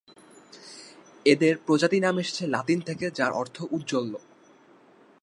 এদের প্রজাতি নাম এসেছে লাতিন থেকে যার অর্থ উজ্জ্বল।